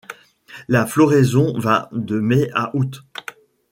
La floraison va de mai à août.